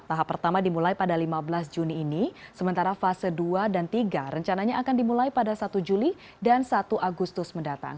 tahap pertama dimulai pada lima belas juni ini sementara fase dua dan tiga rencananya akan dimulai pada satu juli dan satu agustus mendatang